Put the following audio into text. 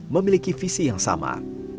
memiliki visi yang sama